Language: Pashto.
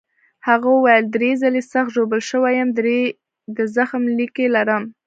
هغه وویل: درې ځلي سخت ژوبل شوی یم، درې د زخم لیکې لرم.